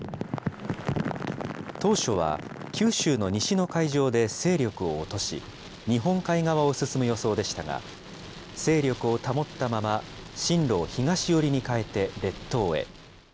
当初は九州の西の海上で勢力を落とし、日本海側を進む予想でしたが、勢力を保ったまま、進路を東寄りに変えて、列島へ。